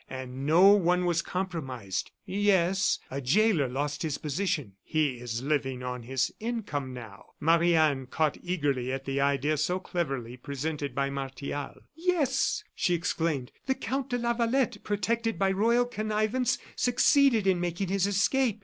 And no one was compromised yes, a jailer lost his position; he is living on his income now." Marie Anne caught eagerly at the idea so cleverly presented by Martial. "Yes," she exclaimed, "the Count de Lavalette, protected by royal connivance, succeeded in making his escape."